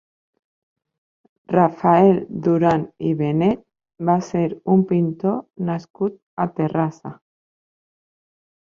Rafael Duran i Benet va ser un pintor nascut a Terrassa.